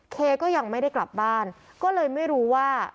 เคก็ยังไม่ได้กลับบ้านก็เลยไม่รู้ว่า